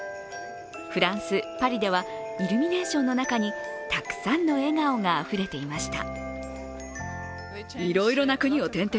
フランス・パリではイルミネーションの中にたくさんの笑顔があふれていました。